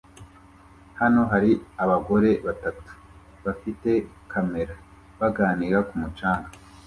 Hano hari abagore batatu bafite kamera baganira ku mucanga